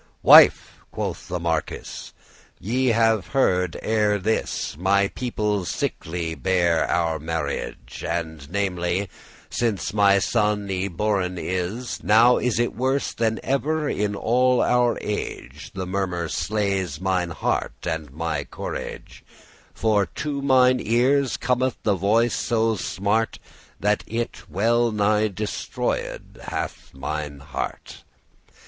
"Wife," quoth the marquis, "ye have heard ere this My people *sickly bear* our marriage; *regard with displeasure* And namely* since my son y boren is, *especially Now is it worse than ever in all our age: The murmur slays mine heart and my corage, For to mine ears cometh the voice so smart,* *painfully That it well nigh destroyed hath mine heart.